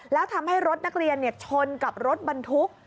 แล้วทำให้รถนักเรียนชนกับรถบรรทุก